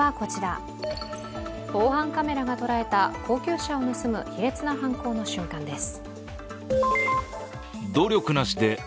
防犯カメラがとらえた高級車を盗む卑劣な犯行の瞬間です。